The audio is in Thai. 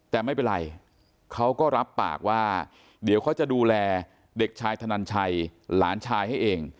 แต่เด็กชายธนันไชยหลานชายให้เอง